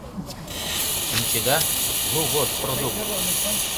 Шинчеда, лу воз продукт!